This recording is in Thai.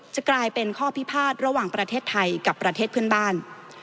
จะกลายเป็นข้อพิพาทระหว่างประเทศไทยกับประเทศเพื่อนบ้าน